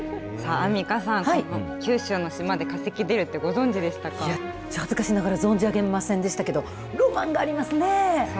アンミカさん、九州の島で、化石いや、恥ずかしながら、存じ上げませんでしたけど、ロマンがありますね。